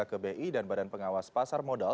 ke bi dan badan pengawas pasar modal